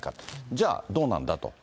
じゃあどうなんだと。